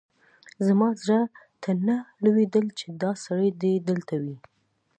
زما زړه ته نه لوېدل چې دا سړی دې دلته وي.